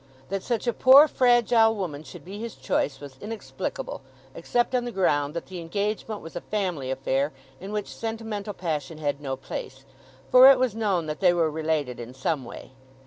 That such a poor fragile woman should be his choice was inexplicable, except on the ground that the engagement was a family affair in which sentimental passion had no place; for it was known that they were related in some way.